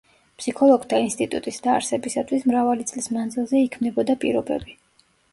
ფსიქოლოგთა ინსტიტუტის დაარსებისათვის მრავალი წლის მანძილზე იქმნებოდა პირობები.